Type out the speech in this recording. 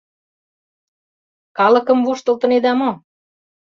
— Калыкым воштылтынеда мо?